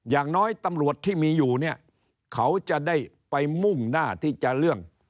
อย่างน้อยตำรวจที่มีอยู่เนี่ยเขาจะได้ไปมุ่งหน้าที่จะเรื่อง